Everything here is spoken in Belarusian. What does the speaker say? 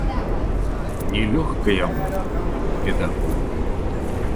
Не лёгка яму, бедаку.